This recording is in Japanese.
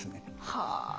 はあ。